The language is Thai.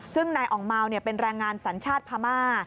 ซึ่งนายอ่องเมาเป็นแรงงานสัญชาติพม่า